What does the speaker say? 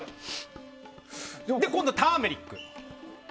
今度はターメリック。